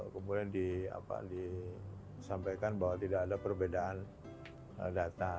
kemudian disampaikan bahwa tidak ada perbedaan data